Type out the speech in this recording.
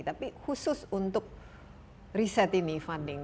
tapi khusus untuk riset ini funding